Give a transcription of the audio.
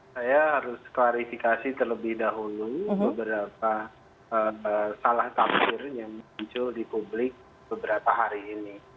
saya harus klarifikasi terlebih dahulu beberapa salah tafsir yang muncul di publik beberapa hari ini